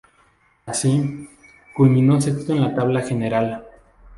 Así, culminó sexto en la tabla general.